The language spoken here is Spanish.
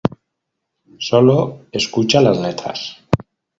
Solo escucha las letras".